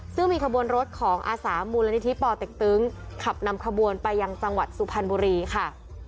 ซึ่งมีขบวนรถของอาสามูลนิธิปอเต็กตึงขับนำขบวนไปยังจังหวัดสุพรรณบุรีค่ะ